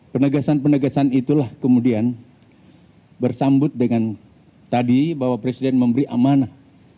penegasan penegasan itulah kemudian bersambut dengan tadi bapak presiden memberi amanah